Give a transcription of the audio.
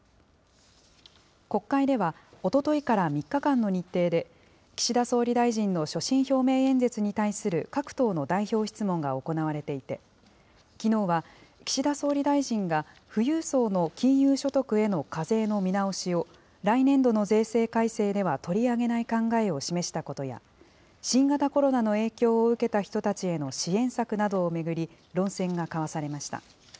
国会ではおとといから３日間の日程で、岸田総理大臣の所信表明演説に対する各党の代表質問が行われていて、きのうは岸田総理大臣が富裕層の金融所得への課税の見直しを、来年度の税制改正では取り上げない考えを示したことや、新型コロナの影響を受けた人たちへの支援策などを巡り、論戦が交わされました。